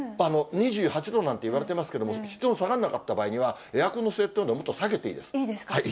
２８度なんていわれてますけれども、室温下がらなかった場合には、エアコンの設定温度をもっいいですか？